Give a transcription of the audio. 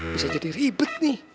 bisa jadi ribet nih